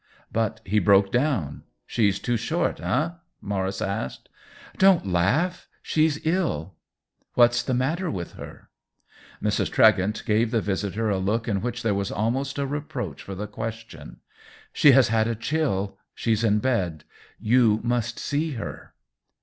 "But he broke down. She's too short, eh ?" Maurice asked. •" Don't laugh ; she's ill." " What's the matter with her ?" Mrs. Tregent gave the visitor a look in which there was almost a reproach for the question. "She has had a chill; she's in bed. You must see her."